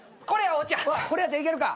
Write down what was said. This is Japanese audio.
これやったらいけるか？